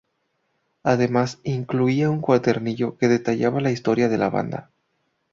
Además, incluía un cuadernillo que detallaba la historia de la banda.